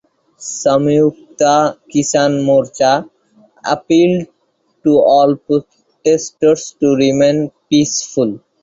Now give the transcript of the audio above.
Samyukta Kisan Morcha appealed to all protestors to remain peaceful.